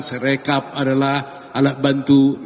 serekap adalah alat bantu